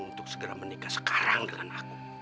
untuk segera menikah sekarang dengan aku